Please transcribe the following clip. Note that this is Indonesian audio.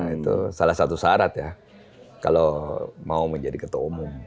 itu salah satu syarat ya kalau mau menjadi ketua umum